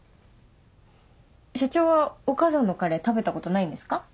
社長はお母さんのカレー食べたことないんですか？